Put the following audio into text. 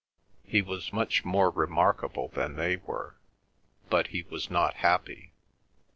He was much more remarkable than they were, but he was not happy.